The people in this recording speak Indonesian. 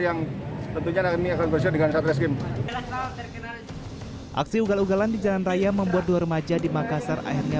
yang tentunya akan berhasil dengan satreskrim aksi ugal ugalan di jalan raya membuat dua remaja di makassar akhirnya